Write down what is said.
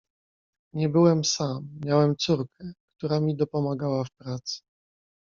"Nie byłem sam, miałem córkę, która mi dopomagała w pracy."